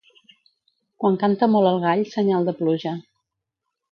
Quan canta molt el gall, senyal de pluja.